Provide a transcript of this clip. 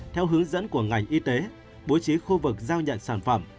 theo hướng dẫn của ngành y tế bố trí khu vực giao nhận sản phẩm